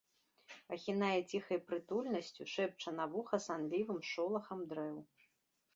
Ахінае ціхай прытульнасцю, шэпча на вуха санлівым шолахам дрэў.